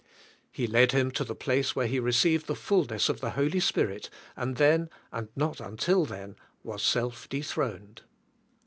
'* He led him to the place where he received the fullness of the Holy Spirit and then and not until then was self dethroned.